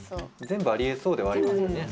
全部ありえそうではありますよね。